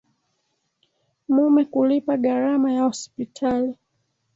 Mume kulipa gharama ya hospitali